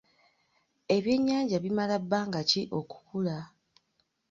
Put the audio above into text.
Ebyennyanja bimala bbanga ki okukula?